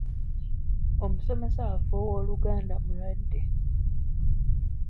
Omusomesa waffe ow’Oluganda mulwadde.